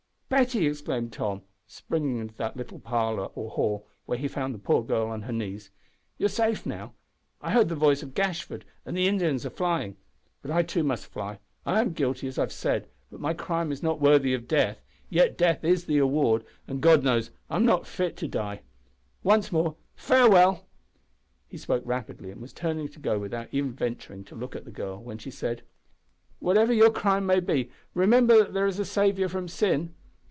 "Betty," exclaimed Tom, springing into the little parlour or hall, where he found the poor girl on her knees, "you are safe now. I heard the voice of Gashford, and the Indians are flying. But I too must fly. I am guilty, as I have said, but my crime is not worthy of death, yet death is the award, and, God knows, I am not fit to die. Once more farewell!" He spoke rapidly, and was turning to go without even venturing to look at the girl, when she said "Whatever your crime may be, remember that there is a Saviour from sin.